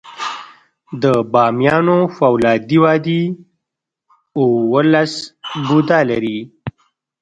د بامیانو فولادي وادي اوولس بودا لري